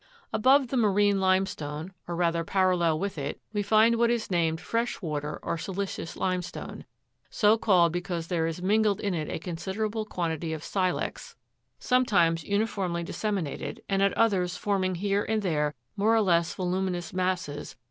11. Above the marine limestone, or rather parallel with it, we find what is named fresh water or silicious limestone, so called be cause there is mingled in it a considerable quantity of silex, some times uniformly disseminated, and at others forming here and there more or less voluminous masses (fig.